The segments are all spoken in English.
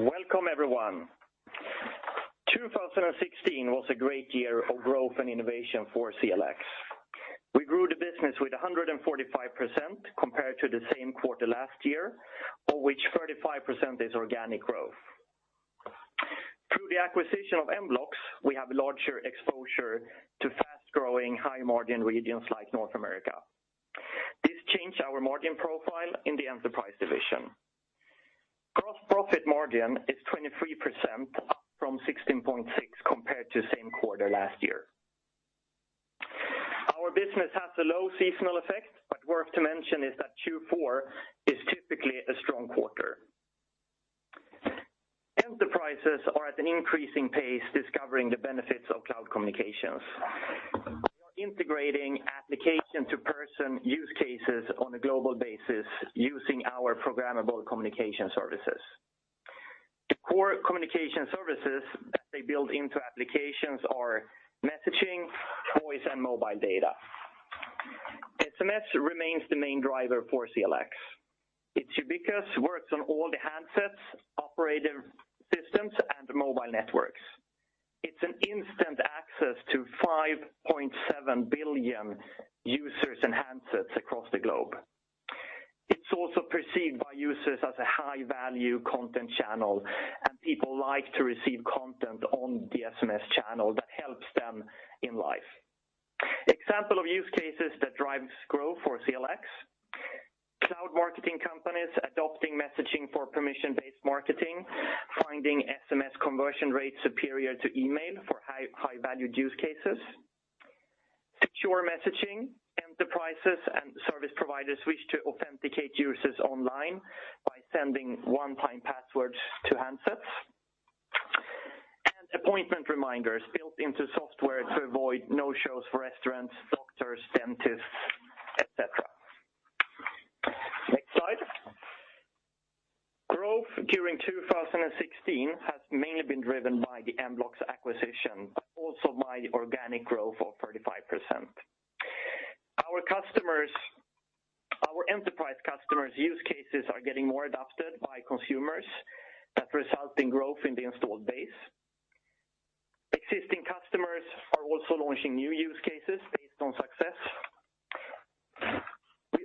Welcome everyone. 2016 was a great year of growth and innovation for CLX. We grew the business with 145% compared to the same quarter last year, of which 35% is organic growth. Through the acquisition of mBlox, we have larger exposure to fast-growing, high-margin regions like North America. This changed our margin profile in the enterprise division. Gross profit margin is 23%, up from 16.6% compared to same quarter last year. Our business has a low seasonal effect, but worth to mention is that Q4 is typically a strong quarter. Enterprises are at an increasing pace discovering the benefits of cloud communications. We are integrating application-to-person use cases on a global basis using our programmable communication services. The core communication services that they build into applications are: messaging, voice, and mobile data. SMS remains the main driver for CLX. It's ubiquitous, works on all the handsets, operating systems, and mobile networks. It's an instant access to 5.7 billion users and handsets across the globe. People like to receive content on the SMS channel that helps them in life. Example of use cases that drives growth for CLX: cloud marketing companies adopting messaging for permission-based marketing, finding SMS conversion rates superior to email for high-value use cases; secure messaging, enterprises and service providers wish to authenticate users online by sending one-time passwords to handsets; and appointment reminders built into software to avoid no-shows for restaurants, doctors, dentists, et cetera. Next slide. Growth during 2016 has mainly been driven by the mBlox acquisition, also by the organic growth of 35%. Our enterprise customers' use cases are getting more adopted by consumers, that results in growth in the installed base. Existing customers are also launching new use cases based on success.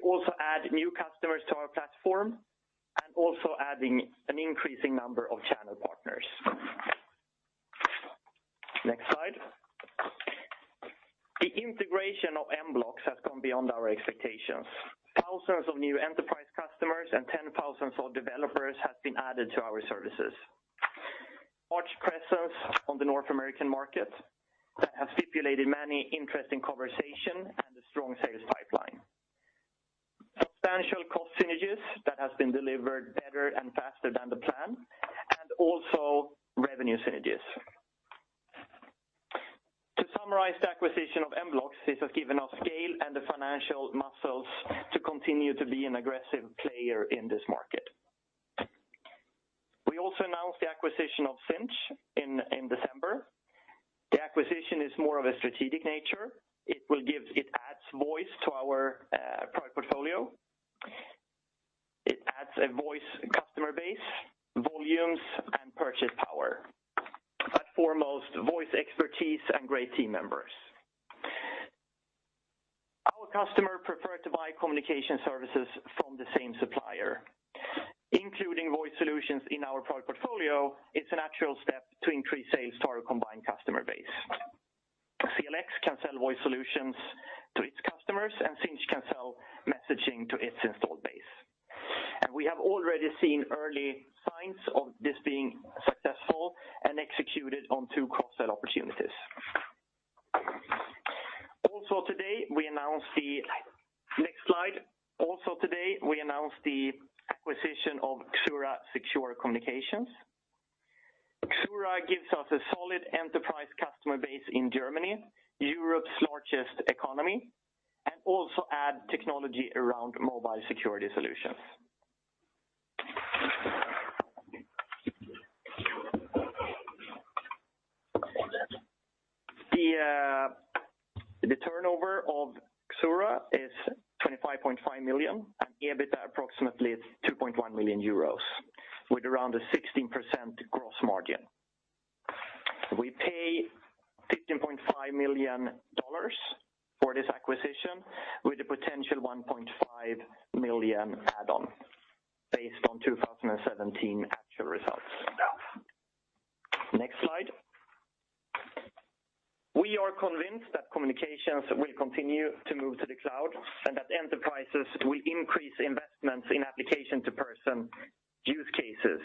We also add new customers to our platform, also adding an increasing number of channel partners. Next slide. The integration of mBlox has gone beyond our expectations. Thousands of new enterprise customers and ten thousands of developers have been added to our services. Large presence on the North American market that has stipulated many interesting conversations and a strong sales pipeline. Substantial cost synergies that has been delivered better and faster than the plan, also revenue synergies. To summarize the acquisition of mBlox, this has given us scale and the financial muscles to continue to be an aggressive player in this market. We also announced the acquisition of Sinch in December. The acquisition is more of a strategic nature. It adds voice to our product portfolio. It adds a voice customer base, volumes, and purchase power. Foremost, voice expertise and great team members. Our customer prefer to buy communication services from the same supplier. Including voice solutions in our product portfolio, it's a natural step to increase sales to our combined customer base. CLX can sell voice solutions to its customers, and Sinch can sell messaging to its installed base. We have already seen early signs of this being successful and executed on two cross-sell opportunities. Next slide. Also today, we announced the acquisition of Xura Secure Communications. Xura gives us a solid enterprise customer base in Germany, Europe's largest economy, also add technology around mobile security solutions. The turnover of Xura is 25.5 million, and EBITDA approximately is 2.1 million euros with around a 16% gross margin. We pay SEK 15.5 million for this acquisition, with a potential 1.5 million add-on based on 2017 actual results. Next slide. We are convinced that communications will continue to move to the cloud, and that enterprises will increase investments in application-to-person use cases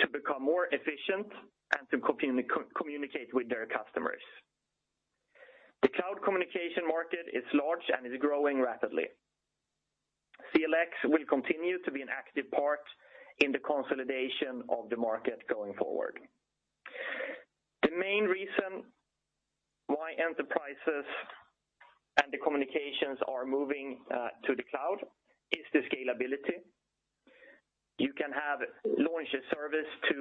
to become more efficient and to communicate with their customers. The cloud communication market is large and is growing rapidly. CLX will continue to be an active part in the consolidation of the market going forward. The main reason why enterprises and the communications are moving to the cloud is the scalability. You can launch a service to.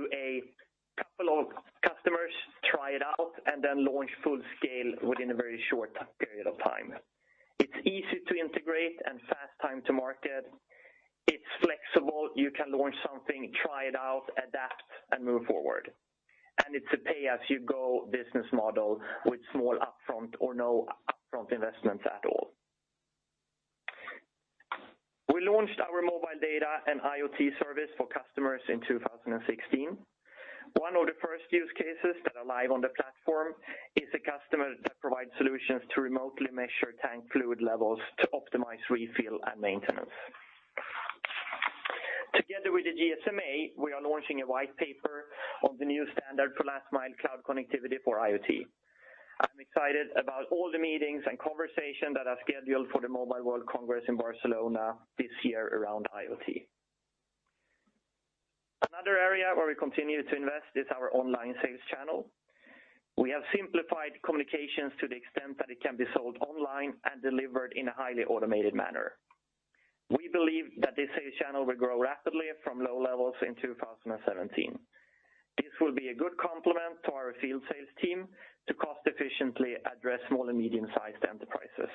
Try it out, and then launch full scale within a very short period of time. It's easy to integrate and fast time to market. It's flexible. You can launch something, try it out, adapt, and move forward. It's a pay-as-you-go business model with small upfront or no upfront investments at all. We launched our mobile data and IoT service for customers in 2016. One of the first use cases that are live on the platform is a customer that provides solutions to remotely measure tank fluid levels to optimize refill and maintenance. Together with the GSMA, we are launching a whitepaper on the new standard for last mile cloud connectivity for IoT. I'm excited about all the meetings and conversation that are scheduled for the Mobile World Congress in Barcelona this year around IoT. Another area where we continue to invest is our online sales channel. We have simplified communications to the extent that it can be sold online and delivered in a highly automated manner. We believe that this sales channel will grow rapidly from low levels in 2017. This will be a good complement to our field sales team to cost efficiently address small and medium sized enterprises.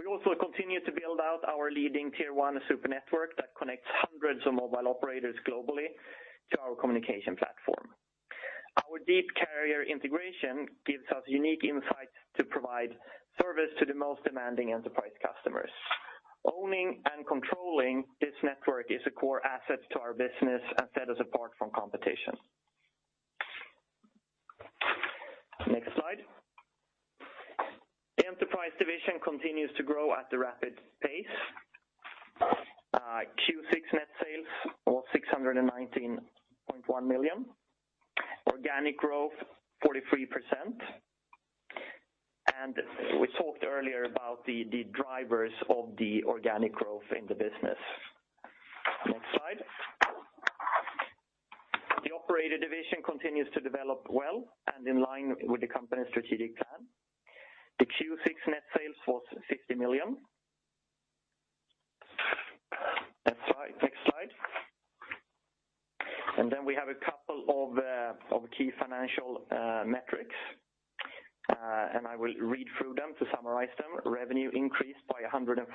We also continue to build out our leading tier 1 super network that connects hundreds of mobile operators globally to our communication platform. Our deep carrier integration gives us unique insight to provide service to the most demanding enterprise customers. Owning and controlling this network is a core asset to our business and set us apart from competition. Next slide. The enterprise division continues to grow at a rapid pace. Q4 net sales was 619.1 million. Organic growth, 43%. We talked earlier about the drivers of the organic growth in the business. Next slide. The operator division continues to develop well and in line with the company's strategic plan. The Q4 net sales was SEK 60 million. Next slide. We have a couple of key financial metrics, and I will read through them to summarize them. Revenue increased by 145%.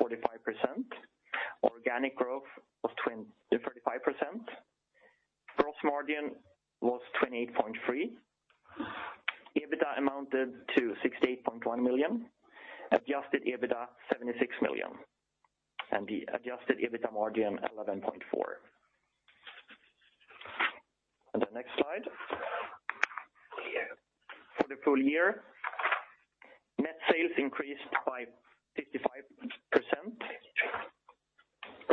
Organic growth was 35%. Gross margin was 28.3%. EBITDA amounted to 68.1 million, adjusted EBITDA, 76 million. The adjusted EBITDA margin, 11.4%. Next slide. For the full year, net sales increased by 55%.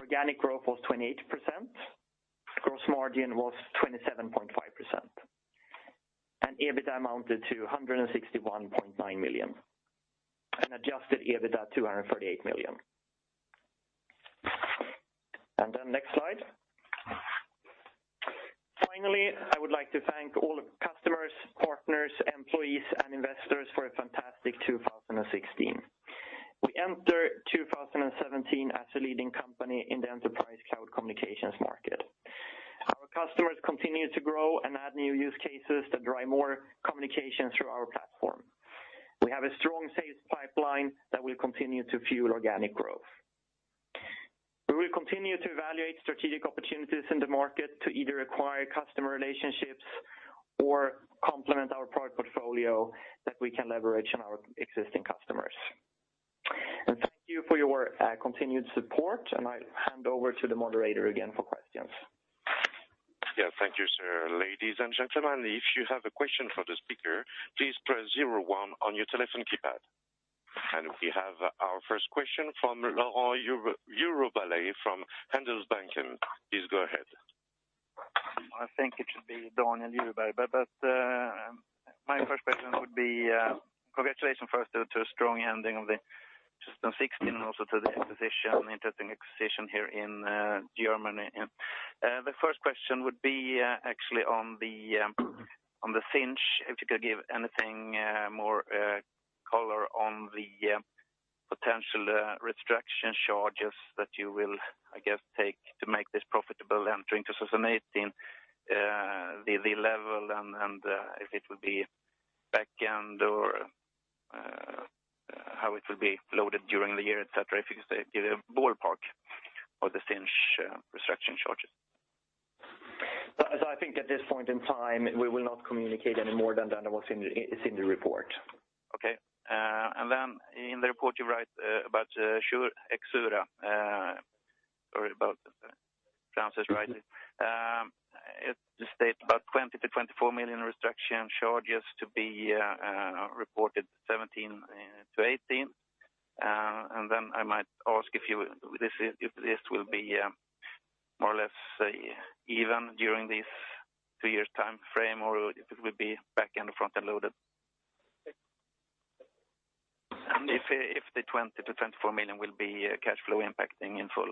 Organic growth was 28%. Gross margin was 27.5%. EBITDA amounted to 161.9 million. Adjusted EBITDA, 238 million. Next slide. Finally, I would like to thank all the customers, partners, employees, and investors for a fantastic 2016. We enter 2017 as a leading company in the enterprise cloud communications market. Our customers continue to grow and add new use cases that drive more communication through our platform. We have a strong sales pipeline that will continue to fuel organic growth. We will continue to evaluate strategic opportunities in the market to either acquire customer relationships or complement our product portfolio that we can leverage on our existing customers. Thank you for your continued support, and I hand over to the moderator again for questions. Thank you, sir. Ladies and gentlemen, if you have a question for the speaker, please press 01 on your telephone keypad. We have our first question from Laurent Jure-Berlet from Handelsbanken. Please go ahead. I think it should be Laurent Jure-Berlet. My first question would be, congratulations first to a strong ending of 2016, and also to the interesting acquisition here in Germany. The first question would be actually on Sinch, if you could give anything more color on the potential restructuring charges that you will, I guess, take to make this profitable entering 2018, the level and if it will be back end or how it will be loaded during the year, et cetera. If you could give a ballpark of the Sinch restructuring charges. I think at this point in time, we will not communicate any more than what is in the report. Okay. In the report you write about Xura, sorry about the French pronunciation. It states about 20 million-24 million restructuring charges to be reported 2017 to 2018. I might ask if this will be more or less even during this two-year timeframe, or if it will be back end or front end loaded. If the 20 million-24 million will be cashflow impacting in full.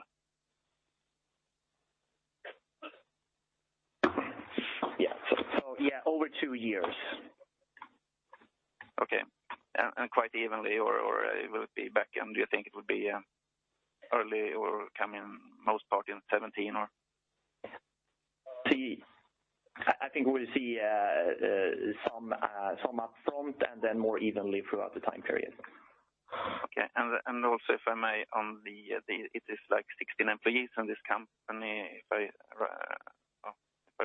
Yeah. Yeah, over two years. Okay. Quite evenly, or it will be back end? Do you think it would be early or come in most part in 2017? I think we'll see some upfront more evenly throughout the time period. Okay. Also, if I may, it is like 16 employees in this company, if I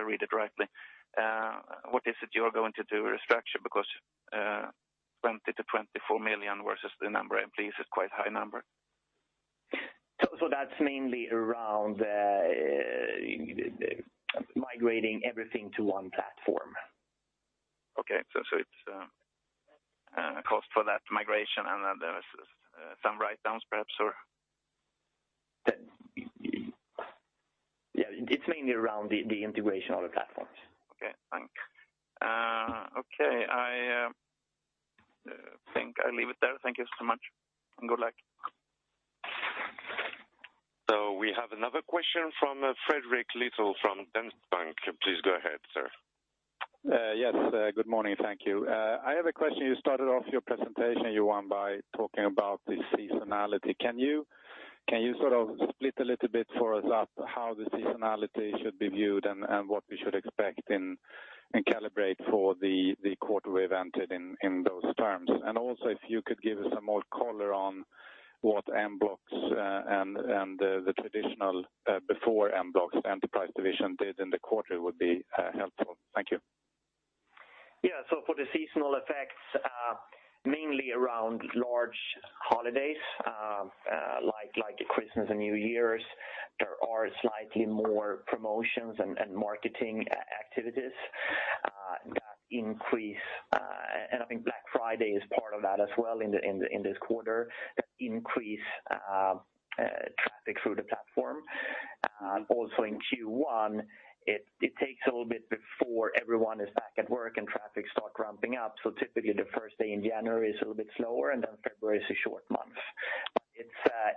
read it rightly. What is it you are going to do? Restructure? 20 million-24 million versus the number of employees is quite high number. That's mainly around migrating everything to one platform. Okay. It's a cost for that migration, and then there is some write-downs perhaps, or? Yeah. It's mainly around the integration of the platforms. Okay, thanks. I think I leave it there. Thank you so much, and good luck. We have another question from Fredrik Lytzen from Danske Bank. Please go ahead, sir. Yes. Good morning. Thank you. I have a question. You started off your presentation, Johan, by talking about the seasonality. Can you sort of split a little bit for us up how the seasonality should be viewed and what we should expect and calibrate for the quarter we've entered in those terms? Also if you could give us some more color on what mBlox and the traditional before mBlox enterprise division did in the quarter would be helpful. Thank you. Yeah. For the seasonal effects, mainly around large holidays like Christmas and New Year's, there are slightly more promotions and marketing activities that increase. I think Black Friday is part of that as well in this quarter, that increase traffic through the platform. Also in Q1, it takes a little bit before everyone is back at work and traffic start ramping up. Typically the first day in January is a little bit slower, and then February is a short month.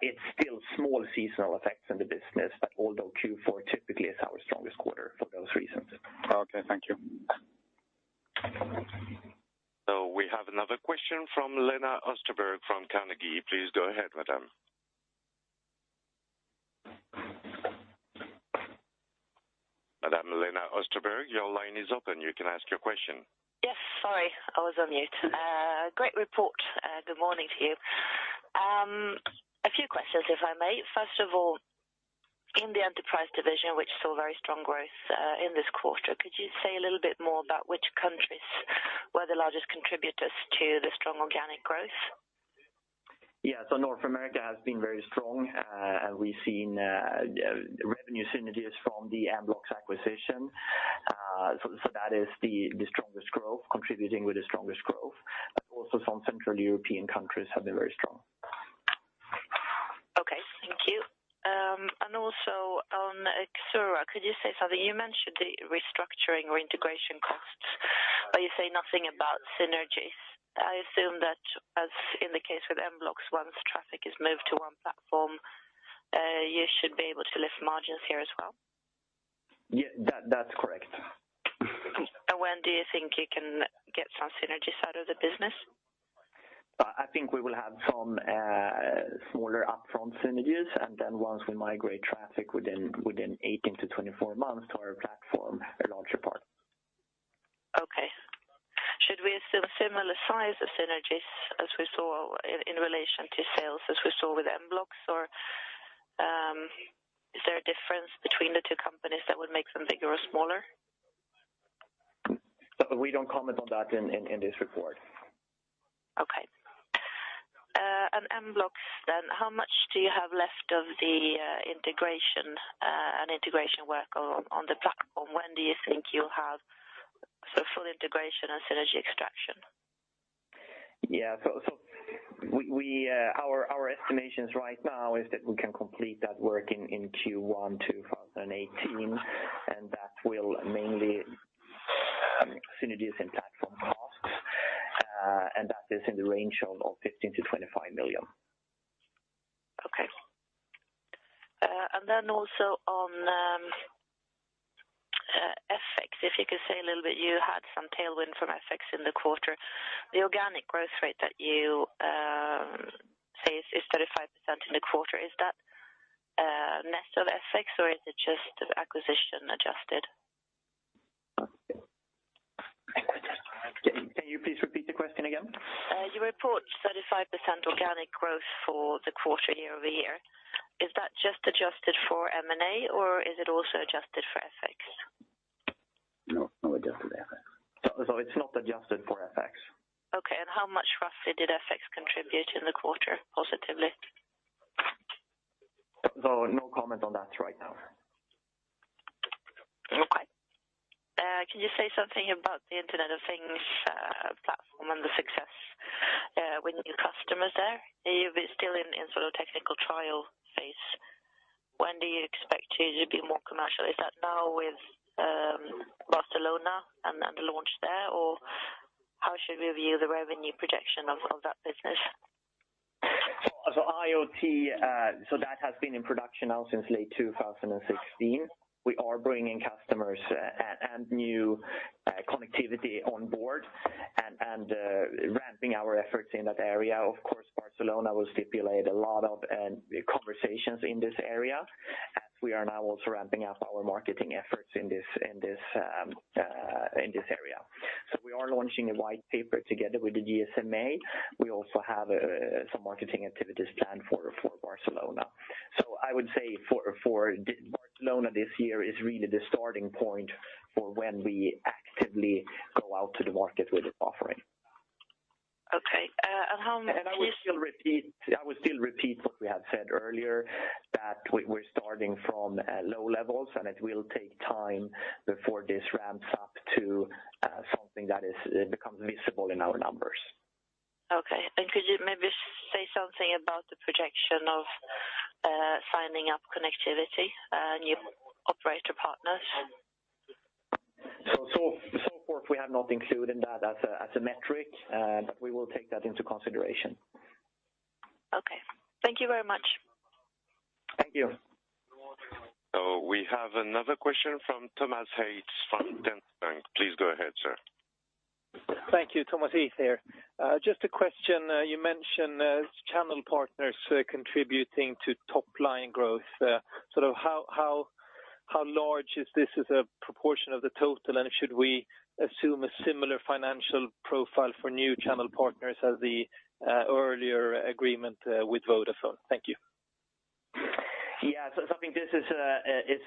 It's still small seasonal effects in the business. Although Q4 typically is our strongest quarter for those reasons. Okay, thank you. We have another question from Lena Österberg from Carnegie. Please go ahead, madam. Madam Lena Österberg, your line is open. You can ask your question. Yes, sorry, I was on mute. Great report. Good morning to you. A few questions, if I may. First of all, in the enterprise division, which saw very strong growth in this quarter, could you say a little bit more about which countries were the largest contributors to the strong organic growth? Yeah. North America has been very strong, and we've seen revenue synergies from the mBlox acquisition. That is contributing with the strongest growth. Also some central European countries have been very strong. Okay, thank you. Also on Xura, could you say something? You mentioned the restructuring or integration costs, you say nothing about synergies. I assume that as in the case with mBlox, once traffic is moved to one platform, you should be able to lift margins here as well. Yeah, that's correct. When do you think you can get some synergies out of the business? I think we will have some smaller upfront synergies, then once we migrate traffic within 18 to 24 months to our platform, a larger part. Okay. Should we assume similar size of synergies as we saw in relation to sales as we saw with mBlox, or is there a difference between the two companies that would make them bigger or smaller? We don't comment on that in this report. Okay. mBlox then, how much do you have left of the integration and integration work on the platform? When do you think you'll have full integration and synergy extraction? Yeah. Our estimations right now is that we can complete that work in Q1 2018, and that will mainly synergies and platform costs, and that is in the range of 15 million-25 million. Okay. Also on FX, if you could say a little bit, you had some tailwind from FX in the quarter. The organic growth rate that you say is 35% in the quarter. Is that net of FX or is it just acquisition adjusted? Can you please repeat the question again? You report 35% organic growth for the quarter year-over-year. Is that just adjusted for M&A or is it also adjusted for FX? No, not adjusted FX. It's not adjusted for FX. Okay, how much roughly did FX contribute in the quarter positively? No comment on that right now. Okay. Can you say something about the Internet of Things platform and the success with new customers there? Are you still in sort of technical trial phase? When do you expect to be more commercial? Is that now with Barcelona and the launch there, or how should we view the revenue projection of that business? IoT, that has been in production now since late 2016. We are bringing customers and new connectivity on board and ramping up our efforts in that area. Of course, Barcelona will stipulate a lot of conversations in this area, as we are now also ramping up our marketing efforts in this area. We are launching a white paper together with the GSMA. We also have some marketing activities planned for Barcelona. I would say Barcelona this year is really the starting point for when we actively go out to the market with the offering. Okay. How much- I will still repeat what we had said earlier, that we're starting from low levels, and it will take time before this ramps up to something that becomes visible in our numbers. Okay. Could you maybe say something about the projection of signing up connectivity, new operator partners? So far, we have not included that as a metric, but we will take that into consideration. Okay. Thank you very much. Thank you. We have another question from Tomas Hejds from Danske Bank. Please go ahead, sir. Thank you. Tomas Hejds here. Just a question. You mentioned channel partners contributing to top-line growth. How large is this as a proportion of the total? Should we assume a similar financial profile for new channel partners as the earlier agreement with Vodafone? Thank you. I think this is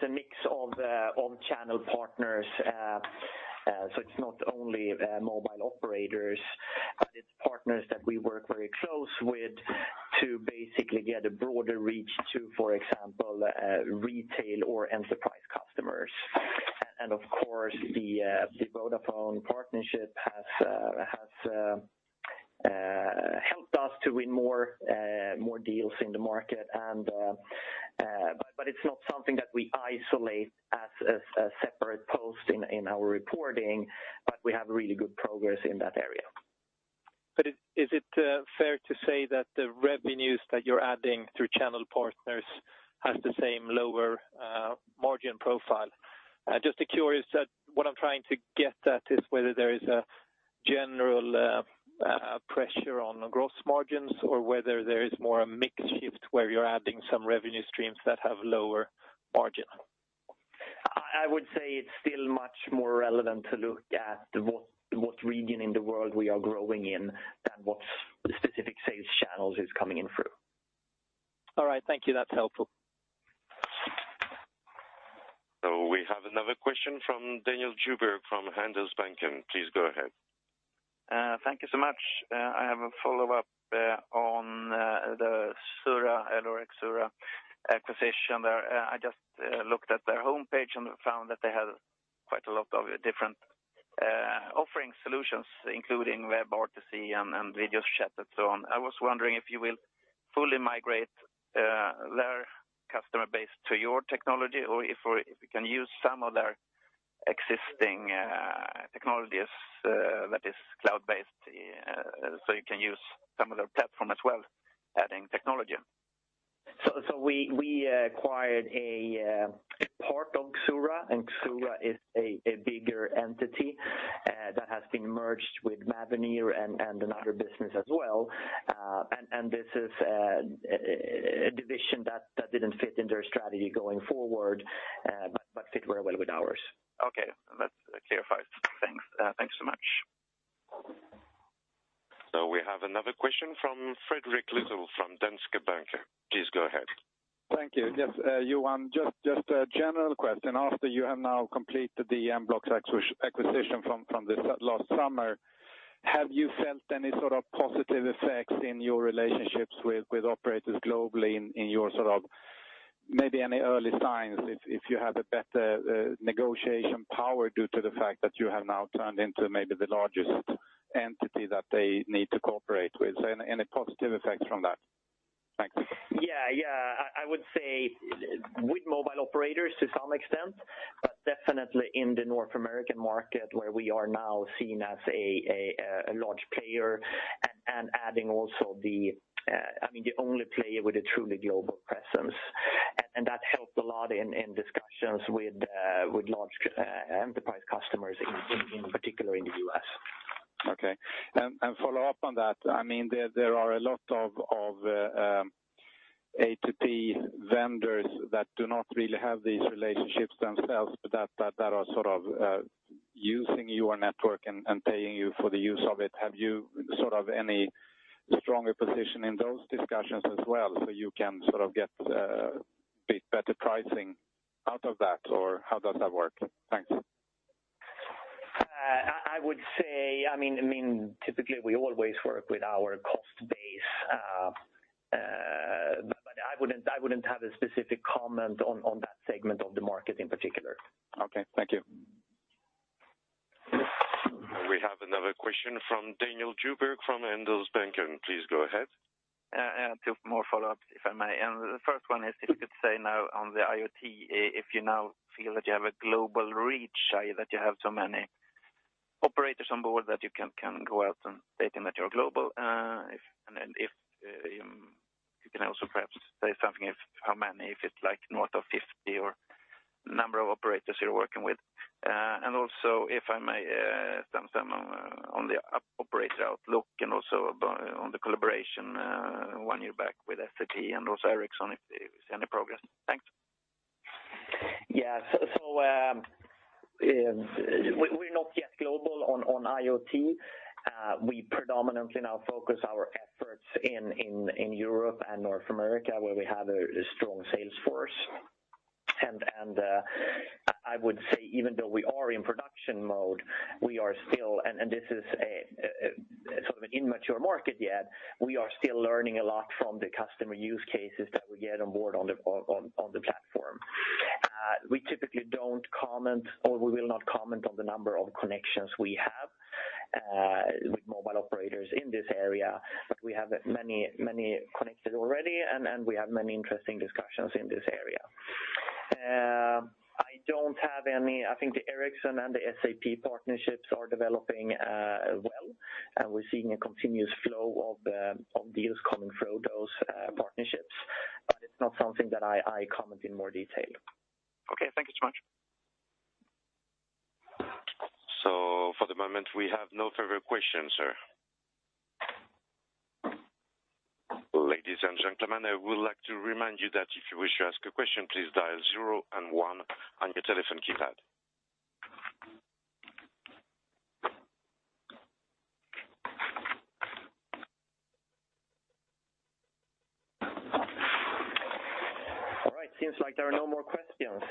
a mix of channel partners. It's not only mobile operators, but it's partners that we work very closely with to basically get a broader reach to, for example, retail or enterprise customers. Of course, the Vodafone partnership has helped us to win more deals in the market. It's not something that we isolate as a separate post in our reporting, but we have really good progress in that area. Is it fair to say that the revenues that you're adding through channel partners have the same lower margin profile? Just curious, what I'm trying to get at is whether there is a general pressure on gross margins or whether there is more of a mixed shift where you're adding some revenue streams that have lower margin. I would say it's still much more relevant to look at what region in the world we are growing in than what the specific sales channels are coming in through. All right. Thank you. That's helpful. We have another question from Daniel Djurberg from Handelsbanken. Please go ahead. Thank you so much. I have a follow-up on the Xura acquisition. I just looked at their homepage and found that they had quite a lot of different offering solutions, including WebRTC and video chat and so on. I was wondering if you will fully migrate their customer base to your technology or if you can use some of their existing technologies that are cloud-based, you can use some of their platform as well, adding technology. We acquired a part of Xura is a bigger entity that has been merged with Mavenir and another business as well. This is a division that didn't fit in their strategy going forward, but fit very well with ours. Okay. That's clarified. Thanks so much. We have another question from Fredrik Lytzen from Danske Bank. Please go ahead. Thank you. Yes, Johan, just a general question. After you have now completed the mBlox acquisition from this last summer, have you felt any sort of positive effects in your relationships with operators globally? Maybe any early signs if you have a better negotiation power due to the fact that you have now turned into maybe the largest entity that they need to cooperate with, any positive effects from that? Thanks. Yeah. I would say with mobile operators to some extent, but definitely in the North American market, where we are now seen as a large player and the only player with a truly global presence. That helped a lot in discussions with large enterprise customers, in particular in the U.S. Okay. Follow up on that, there are a lot of A2P vendors that do not really have these relationships themselves, but that are using your network and paying you for the use of it. Have you any stronger position in those discussions as well, so you can get a bit better pricing out of that? Or how does that work? Thanks. I would say, typically we always work with our cost base. I wouldn't have a specific comment on that segment of the market in particular. Okay. Thank you. We have another question from Daniel Djurberg from Handelsbanken. Please go ahead. Two more follow-ups, if I may. The first one is if you could say now on the IoT, if you now feel that you have a global reach, that you have so many- Operators on board that you can go out and state that you're global. If you can also perhaps say something, how many, if it's north of 50 or number of operators you're working with. Also if I may, Johan, on the operator outlook and also on the collaboration, one year back with SAP and also Ericsson, if you see any progress? Thanks. Yes. We are not yet global on IoT. We predominantly now focus our efforts in Europe and North America, where we have a strong sales force. I would say even though we are in production mode, and this is a sort of an immature market yet, we are still learning a lot from the customer use cases that we get on board on the platform. We typically do not comment, or we will not comment on the number of connections we have, with mobile operators in this area, but we have many connected already and we have many interesting discussions in this area. I think the Ericsson and the SAP partnerships are developing well, and we are seeing a continuous flow of deals coming through those partnerships. It is not something that I comment in more detail. Okay. Thank you so much. For the moment, we have no further questions, sir. Ladies and gentlemen, I would like to remind you that if you wish to ask a question, please dial zero and one on your telephone keypad. All right, seems like there are no more questions.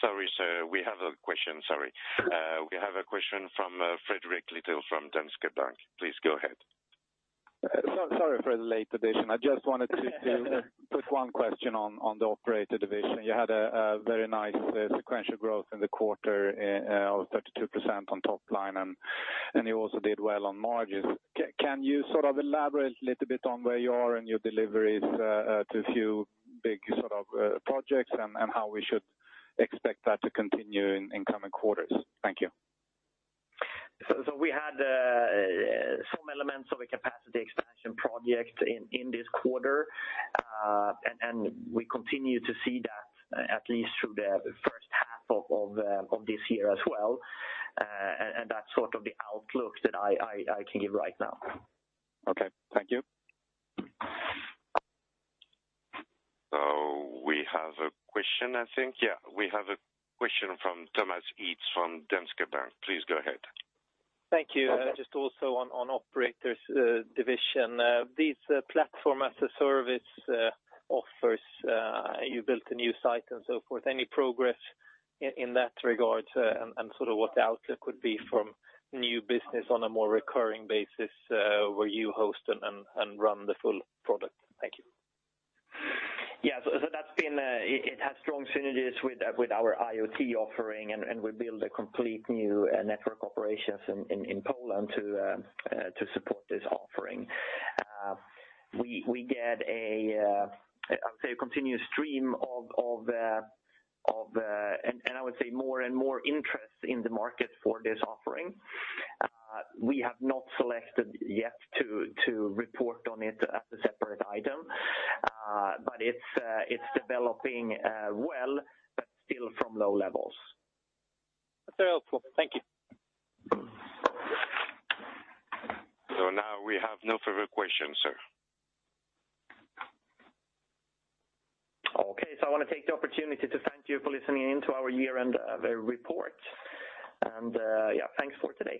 Sorry, sir. We have a question. We have a question from Frederick Little from Danske Bank. Please go ahead. Sorry for the late addition. I just wanted to put one question on the operator division. You had a very nice sequential growth in the quarter of 32% on top line. You also did well on margins. Can you elaborate a little bit on where you are in your deliveries to a few big projects and how we should expect that to continue in coming quarters? Thank you. We had some elements of a capacity expansion project in this quarter. We continue to see that at least through the first half of this year as well. That's sort of the outlook that I can give right now. Okay. Thank you. We have a question, I think. Yeah, we have a question from Thomas Eads from Danske Bank. Please go ahead. Thank you. Just also on operators division. These Platform-as-a-Service offers, you built a new site and so forth. Any progress in that regard and sort of what the outlook would be from new business on a more recurring basis, where you host and run the full product? Thank you. Yeah. It has strong synergies with our IoT offering, we build a complete new network operations in Poland to support this offering. We get a, I would say, a continuous stream of And I would say more and more interest in the market for this offering. We have not selected yet to report on it as a separate item. It's developing well, but still from low levels. That's very helpful. Thank you. Now we have no further questions, sir. Okay. I want to take the opportunity to thank you for listening in to our year-end report. Yeah, thanks for today.